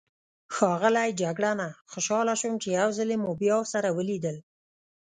ښاغلی جګړنه، خوشحاله شوم چې یو ځلي مو بیا سره ولیدل.